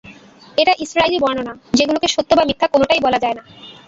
এটা ইসরাঈলী বর্ণনা— যেগুলোকে সত্য বা মিথ্যা কোনটাই বলা যায় না।